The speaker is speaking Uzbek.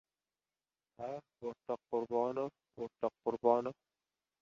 Ha, o‘rtoq Qurbonov, o‘rtoq Qurbonov!